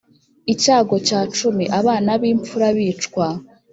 icyago cya cumi abana b imfura bicwa